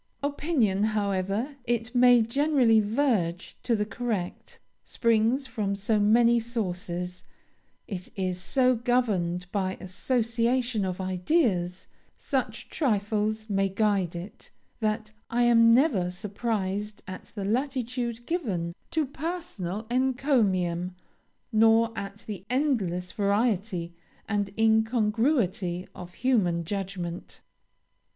Opinion, however it may generally verge to the correct, springs from so many sources, it is so governed by association of ideas, such trifles may guide it, that I am never surprised at the latitude given to personal encomium nor at the endless variety and incongruity of human judgment.